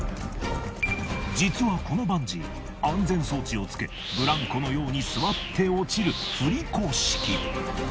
実はこのバンジー安全装置をつけブランコのように座って落ちる振り子式。